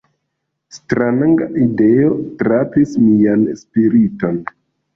Stranga ideo trapasis mian spiriton.